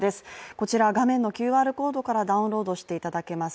こちら、画面のＱＲコードからダウンロードしていただけます